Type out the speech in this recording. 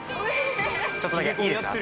ちょっとだけいいですか？